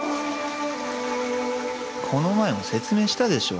この前も説明したでしょ